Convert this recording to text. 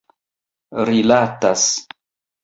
rilatas